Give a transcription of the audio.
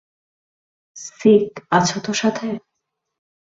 Sick, আছো তো সাথে?